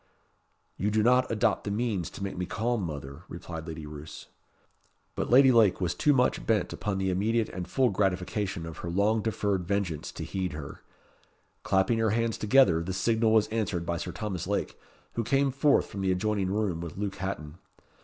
"You do not adopt the means to make me calm, mother," replied Lady Roos. But Lady Lake was too much bent upon the immediate and full gratification of her long deferred vengeance to heed her. Clapping her hands together, the signal was answered by Sir Thomas Lake, who came forth from the adjoining room with Luke Hatton.